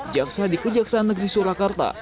jaksa di kejaksaan negeri surakarta